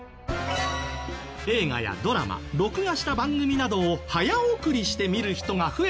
映画やドラマ録画した番組などを早送りして見る人が増えているんです。